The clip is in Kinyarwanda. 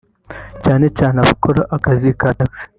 cyane cyane abakora akazi ka Taxi